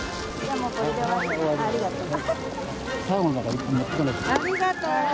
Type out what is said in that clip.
はいありがとう。